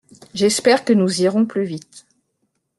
J’espère que nous irons plus vite.